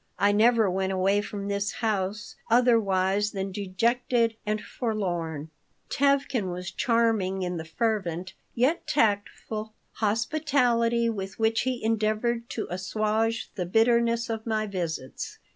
I never went away from this house otherwise than dejected and forlorn Tevkin was charming in the fervent, yet tactful, hospitality with which he endeavored to assuage the bitterness of my visits.